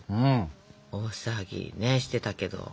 大騒ぎしてたけど。